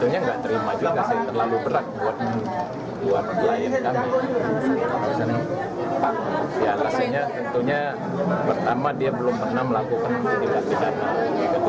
ya rasanya tentunya pertama dia belum pernah melakukan tindak pidana